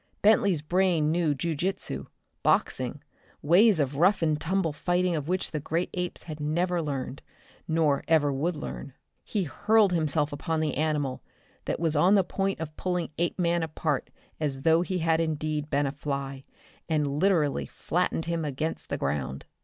Bentley's brain knew jiu jitsu, boxing, ways of rough and tumble fighting of which the great apes had never learned, nor ever would learn. He hurled himself upon the animal that was on the point of pulling Apeman apart as though he had indeed been a fly, and literally flattened him against the ground.